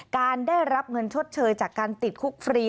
การได้รับเงินชดเชยจากการติดคุกฟรี